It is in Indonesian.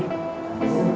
ah ya kekiranan tadi